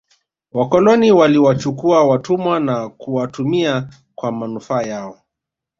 wakoloni waliwachukua watumwa na kuwatumia kwa manufaa yao